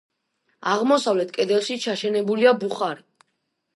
აღმოსავლეთ კედელში ჩაშენებულია ბუხარი.